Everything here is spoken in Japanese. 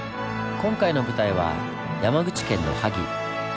今回の舞台は山口県の萩。